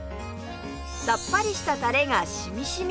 さっぱりしたたれが染み染み！